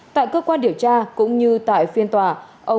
tại cơ quan điều tra cũng như tại phiên tòa ông nguyễn ngọc anh và bà vũ bạch dương